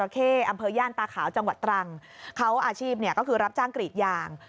เขาอาชีพก็คือรับจ้างกรีดยาง